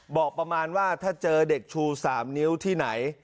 บอกประมาณว่าถ้าเจอเด็กชู๓นิ้วที่ไหน